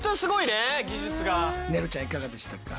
ねるちゃんいかがでしたか？